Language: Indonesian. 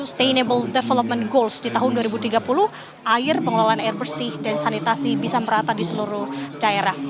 untuk mengembangkan tujuan pembangunan yang berkelanjutan di tahun dua ribu tiga puluh air pengelolaan air bersih dan sanitasi bisa merata di seluruh daerah